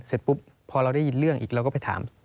เสร็จปุ๊บพอเราได้ยินเรื่องอีกเราก็ไปถาม